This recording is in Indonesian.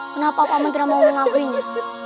kenapa papa mendira mau mengakuinya